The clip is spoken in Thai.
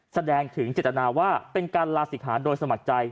แสดงถึงเจตนาว่าเป็นการลาศิกหาโดยสมัครใจ